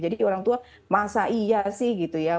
jadi orang tua masa iya sih gitu ya